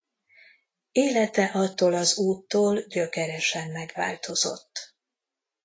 Élete attól az úttól gyökeresen megváltozott.